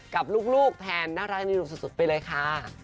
กับลูกแทนน่ารักนิวสุดไปเลยค่ะ